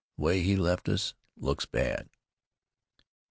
The way he left us looks bad."